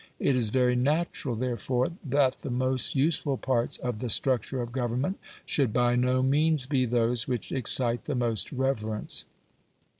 It is very natural, therefore, that the most useful parts of the structure of government should by no means be those which excite the most reverence.